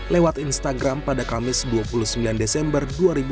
lewat instagram pada kamis dua puluh sembilan desember dua ribu dua puluh